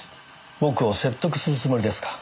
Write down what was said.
僕を説得するつもりですか？